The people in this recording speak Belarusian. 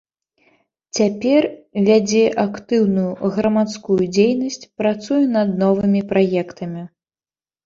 Цяпер вядзе актыўную грамадскую дзейнасць, працуе над новымі праектамі.